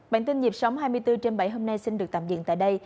bản tin dịp sóng hai mươi bốn trên bảy hôm nay xin được tạm diện tại đây